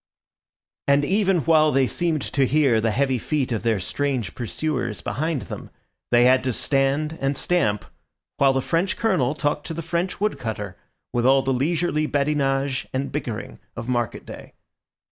And even while they seemed to hear the heavy feet of their strange pursuers behind them, they had to stand and stamp while the French Colonel talked to the French wood cutter with all the leisurely badinage and bickering of market day.